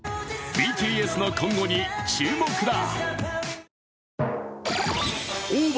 ＢＴＳの今後に注目だ。